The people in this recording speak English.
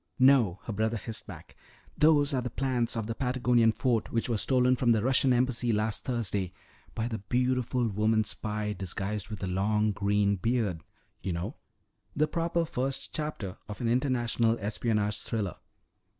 "No," her brother hissed back, "those are the plans of the Patagonian fort which were stolen from the Russian Embassy last Thursday by the beautiful woman spy disguised with a long green beard. You know, the proper first chapter of an international espionage thriller.